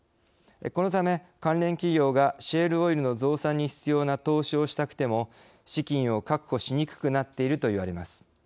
このため、関連企業がシェールオイルの増産に必要な投資をしたくても資金を確保しにくくなっているといわれます。